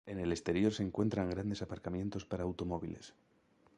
En el exterior se encuentran grandes aparcamientos para automóviles.